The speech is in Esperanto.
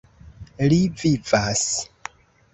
Li vivas!